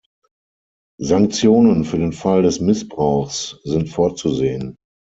Sanktionen für den Fall des Missbrauchs sind vorzusehen.